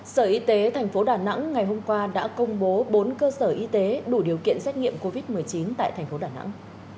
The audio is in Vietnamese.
sở y tế tp đà nẵng ngày hôm qua đã công bố bốn cơ sở y tế đủ điều kiện xét nghiệm covid một mươi chín tại tp đà nẵng